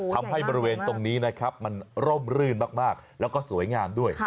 บริเวณตรงนี้นะครับมันร่มรื่นมากแล้วก็สวยงามด้วย